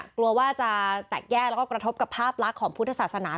กลัวว่าจะแตกแยกแล้วก็กระทบกับภาพลักษณ์ของพุทธศาสนา